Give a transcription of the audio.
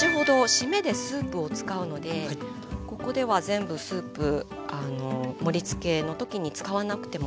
締めでスープを使うのでここでは全部スープ盛りつけの時に使わなくてもいいです。